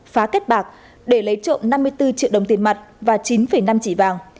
phá kết bạc để lấy trộm năm mươi bốn triệu đồng tiền mặt và chín năm chỉ vàng